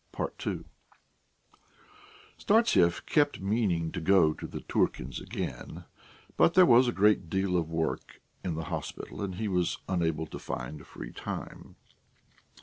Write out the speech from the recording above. II Startsev kept meaning to go to the Turkins' again, but there was a great deal of work in the hospital, and he was unable to find free time.